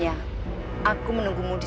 saya akan datang ke sini